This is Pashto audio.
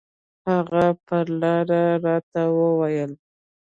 هغه پر لاره راته وويل.